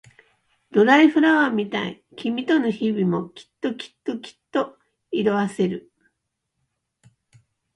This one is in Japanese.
ドライフラワーみたい君との日々もきっときっときっと色あせる